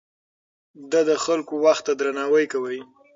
ده د خلکو وخت ته درناوی کاوه.